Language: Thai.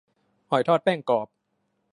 หอยทอดแป้งกรอบ